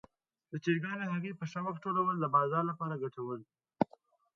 د چرګانو هګۍ په ښه وخت ټولول د بازار لپاره ګټور دي.